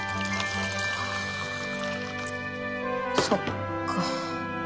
そっか。